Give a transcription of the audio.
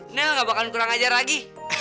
nel gak bakalan kurang ajar lagi